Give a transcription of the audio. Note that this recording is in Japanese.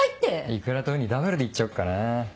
イクラとウニダブルでいっちゃおっかな。